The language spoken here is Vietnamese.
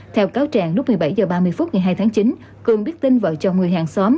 theo cáo trạng lúc một mươi bảy h ba mươi phút ngày hai tháng chín cường biết tin vợ chồng người hàng xóm